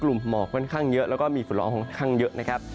หมอกค่อนข้างเยอะแล้วก็มีฝุ่นละอองค่อนข้างเยอะนะครับ